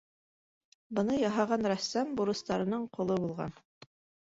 - Быны яһаған рәссам бурыстарының ҡоло булған.